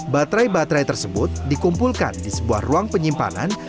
baterai baterai tersebut dikumpulkan di sebuah ruang penyimpanan